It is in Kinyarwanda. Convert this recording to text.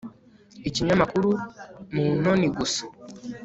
ikinyamakuru muntoni gusa